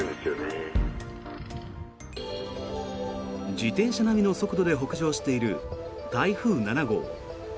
自転車並みの速度で北上している台風７号。